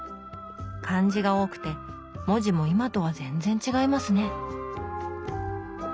漢字が多くて文字も今とは全然違いますね。